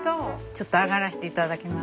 ちょっと上がらせていただきます。